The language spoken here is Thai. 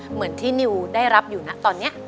เหมือนที่นิวได้รับอยู่นะตอนนี้